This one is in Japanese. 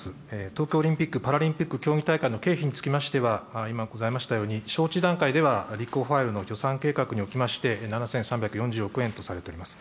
東京オリンピック・パラリンピック競技大会の経費につきましては、今ございましたように、招致段階では、立候補ファイルの予算計画におきまして、７３４０億円とされております。